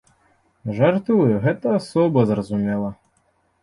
Жартую, гэта асоба, зразумела.